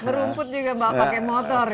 merumput juga pakai motor